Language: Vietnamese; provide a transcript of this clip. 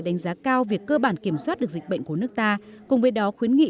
đánh giá cao việc cơ bản kiểm soát được dịch bệnh của nước ta cùng với đó khuyến nghị